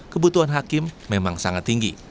kebutuhan hakim memang sangat tinggi